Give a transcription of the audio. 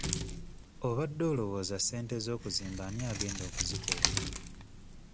Obadde olowooza ssente z'okuzimba ani agenda okuzikuwa?